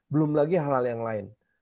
belum lagi hal hal yang lain